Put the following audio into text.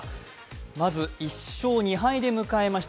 まず１勝２敗で迎えました